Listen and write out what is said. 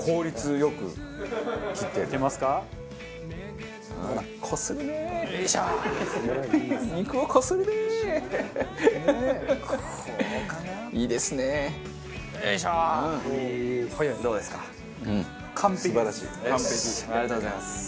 よしありがとうございます。